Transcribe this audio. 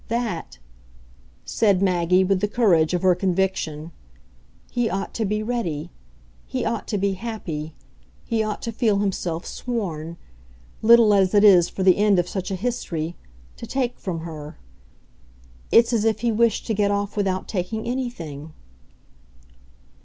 That," said Maggie with the courage of her conviction, "he ought to be ready, he ought to be happy, he ought to feel himself sworn little as it is for the end of such a history! to take from her. It's as if he wished to get off without taking anything."